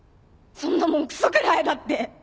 そんなもんクソ食らえだって！